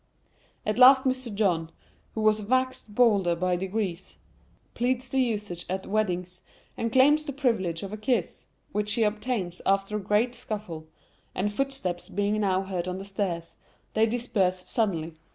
At last Mr. John, who has waxed bolder by degrees, pleads the usage at weddings, and claims the privilege of a kiss, which he obtains after a great scuffle; and footsteps being now heard on the stairs, they disperse suddenly.